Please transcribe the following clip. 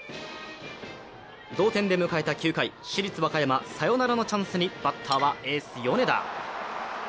同点で迎えた９回、市立和歌山、サヨナラのチャンスにバッターはエース・米田。